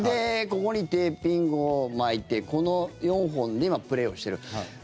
ここにテーピングを巻いてこの４本で今、プレーしてる。